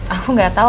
aku gak tau